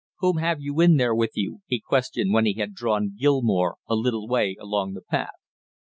"Whom have you in there with you?" he questioned when he had drawn Gilmore a little way along the path.